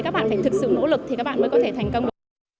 các bạn phải thực sự nỗ lực thì các bạn mới có thể thành công được